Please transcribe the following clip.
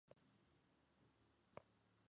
Consiguió tres victorias en aficionados.